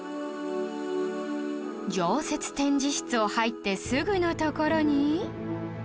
常設展示室を入ってすぐの所に